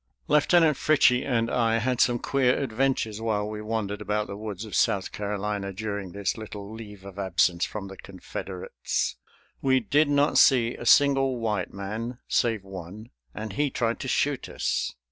Lieutenant Fritchie and I had some queer adventures while we wandered about the woods of South Carolina during this little leave of absence from the Confederates. We did not see a single white man, save one, and he tried to shoot us.